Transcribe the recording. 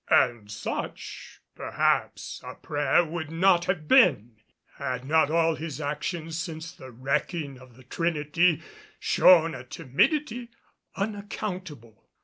And such, perhaps, a prayer would not have been had not all his actions since the wrecking of the Trinity shown a timidity unaccountable.